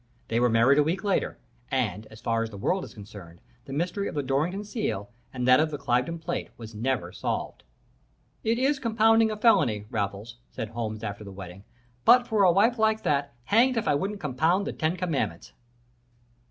They were married a week later, and, as far as the world is concerned, the mystery of the Dorrington seal and that of the Cliveden plate was never solved. "'It is compounding a felony, Raffles,' said Holmes, after the wedding, 'but for a wife like that, hanged if I wouldn't compound the ten commandments!'